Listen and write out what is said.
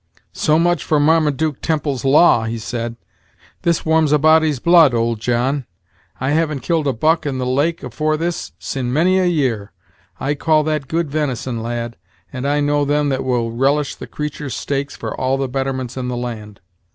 "So much for Marmaduke Temple's law!" he said, "This warms a body's blood, old John: I haven't killed a buck in the lake afore this, sin' many a year. I call that good venison, lad: and I know them that will relish the creatur's steaks for all the betterments in the land."